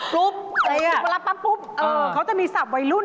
เวลาปั๊มปุ๊บเขาจะมีศัพท์วัยรุ่น